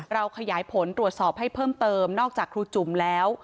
ขยายผลตรวจสอบให้เพิ่มเติมนอกจากครูจุ่มแล้ว